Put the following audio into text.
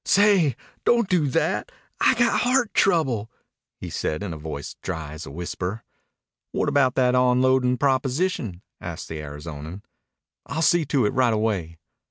"Say, don't do that. I got heart trouble," he said in a voice dry as a whisper. "What about that onloadin' proposition?" asked the Arizonan. "I'll see to it right away."